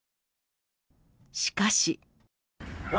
しかし。